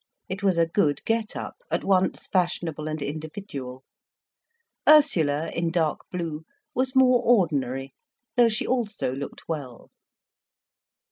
It was a good get up, at once fashionable and individual. Ursula, in dark blue, was more ordinary, though she also looked well.